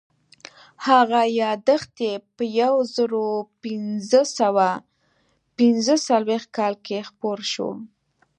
هغه یادښت یې په یو زرو پینځه سوه پینځه څلوېښت کال کې خپور شو.